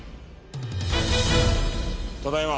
ただいま。